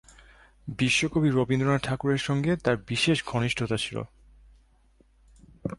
বিশ্বকবি রবীন্দ্রনাথ ঠাকুরের সঙ্গে তার বিশেষ ঘনিষ্ঠতা ছিল।